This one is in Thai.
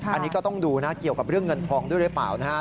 อันนี้ก็ต้องดูนะเกี่ยวกับเรื่องเงินทองด้วยหรือเปล่านะฮะ